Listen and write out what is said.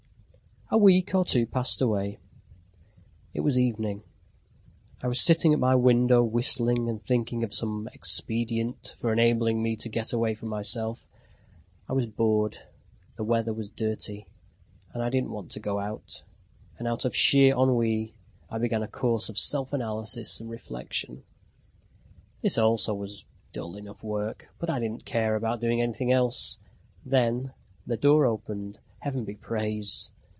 A week or two passed away. It was evening. I was sitting at my window whistling and thinking of some expedient for enabling me to get away from myself. I was bored; the weather was dirty. I didn't want to go out, and out of sheer ennui I began a course of self analysis and reflection. This also was dull enough work, but I didn't care about doing anything else. Then the door opened. Heaven be praised!